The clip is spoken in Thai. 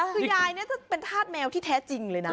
คือยายเนี่ยจะเป็นธาตุแมวที่แท้จริงเลยนะ